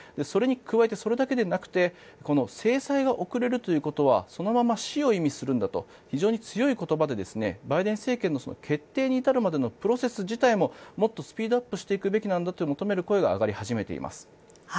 それに加えてそれだけではなくて制裁が遅れるということはそのまま死を意味するんだと非常に強い言葉でバイデン政権の決定に至るまでのプロセス自体ももっとスピードアップしていくんだと求める声が上がり始めています。